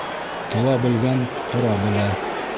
Тыуа белгән тора белә.